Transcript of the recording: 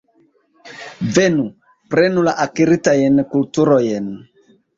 Venu, prenu la akiritajn kulturojn.